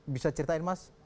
bisa ceritain mas